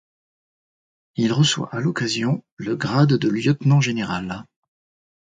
Il reçoit à l'occasion le grade de lieutenant-général.